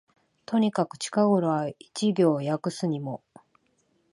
とにかく近頃は一行訳すにも、